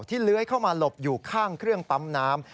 เลื้อยเข้ามาหลบอยู่ข้างเครื่องปั๊มน้ำ